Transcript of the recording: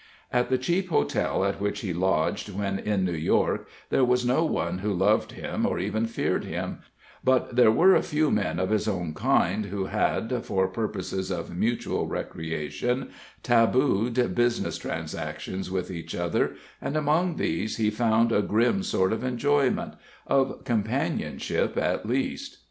At the cheap hotel at which he lodged when in New York there was no one who loved him or even feared him, but there were a few men of his own kind who had, for purposes of mutual recreation, tabooed business transactions with each other, and among these he found a grim sort of enjoyment of companionship, at least.